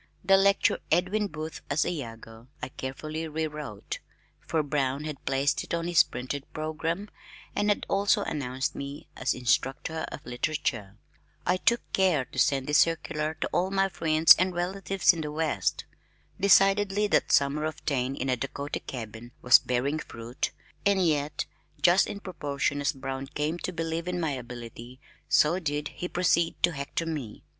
The lecture "Edwin Booth as Iago" I carefully re wrote for Brown had placed it on his printed programme and had also announced me as "Instructor in Literature." I took care to send this circular to all my friends and relatives in the west. Decidedly that summer of Taine in a Dakota cabin was bearing fruit, and yet just in proportion as Brown came to believe in my ability so did he proceed to "hector" me.